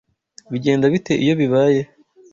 Bigenda bite iyo bibaye?